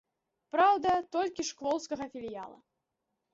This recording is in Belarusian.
Праўда, толькі шклоўскага філіяла.